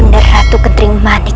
wondah ratu kederimportasi